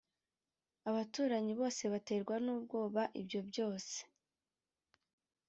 abaturanyi bose baterwa n ubwoba ibyo byose